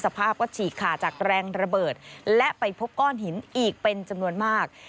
ภาพก็ฉีกขาดจากแรงระเบิดและไปพบก้อนหินอีกเป็นจำนวนมาก